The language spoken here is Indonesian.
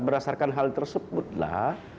berdasarkan hal tersebutlah